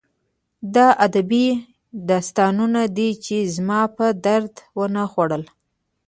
دا ادبي داستانونه دي چې زما په درد ونه خوړل